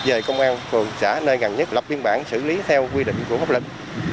về công an phường xã nơi gần nhất lập biên bản xử lý theo quy định của pháp lệnh